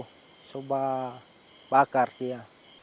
tiga minggu coba bakar dia